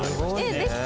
できた！